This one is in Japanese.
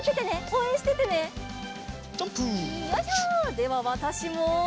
ではわたしも。